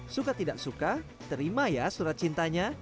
suka tidak suka terima ya surat cintanya